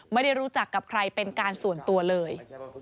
ไม่ได้รู้จักกับใครเป็นการส่วนตัวเลย